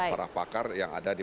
para pakar yang ada di